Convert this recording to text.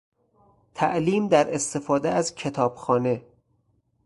تعلیم در استفاده از کتابخانه